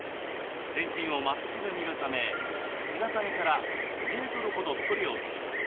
全身をまっすぐ見るため姿見から５メートルほど距離をとります。